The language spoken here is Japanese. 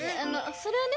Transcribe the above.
それはね